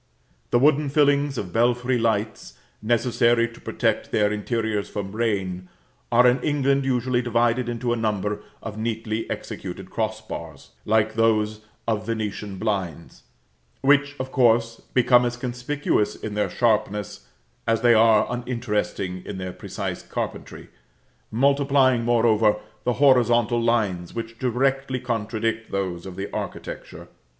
The wooden fillings of belfry lights, necessary to protect their interiors from rain, are in England usually divided into a number of neatly executed cross bars, like those of Venetian blinds, which, of course, become as conspicuous in their sharpness as they are uninteresting in their precise carpentry, multiplying, moreover, the horizontal lines which directly contradict those of the architecture.